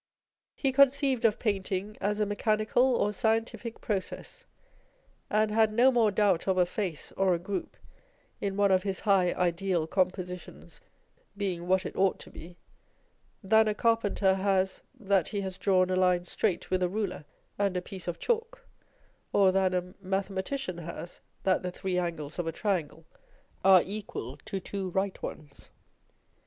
He conceived of painting as a mechanical or scientific process, and had no more doubt of a face or a group in one of his high ideal com positions being what it ought to be, than a carpenter has that he has drawn a line straight with a ruler and a piece of chalk, or than a mathematician has that the three angles of a triangle are equal to two right ones.